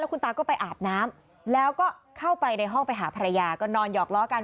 คุณตาก็ไปอาบน้ำแล้วก็เข้าไปในห้องไปหาภรรยาก็นอนหยอกล้อกัน